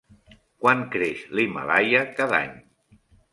Quan creix l'Himàlaia cada any?